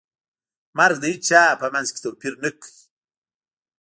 مرګ د هیچا په منځ کې توپیر نه کوي.